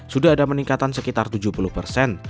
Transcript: sudah ada peningkatan sekitar tujuh puluh persen